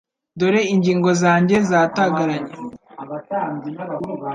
Dore ingingo zanjye zatagaranye